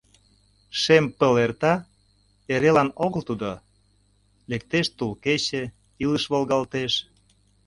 Шем пыл эрта, эрелан огыл тудо. Лектеш тул кече, илыш волгалтеш.